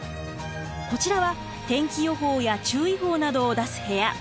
こちらは天気予報や注意報などを出す部屋。